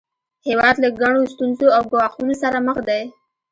هیواد له ګڼو ستونزو او ګواښونو سره مخ دی